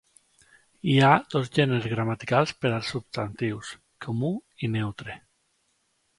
Hi ha dos gèneres gramaticals per als substantius: comú i neutre.